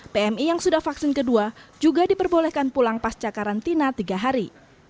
pmi yang sudah vaksin kedua juga diperbolehkan pulang pasca karantina tiga hari